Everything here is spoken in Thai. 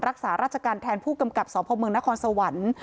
รักษาราชการแทนผู้กำกับสพเมืองนครสวรรค์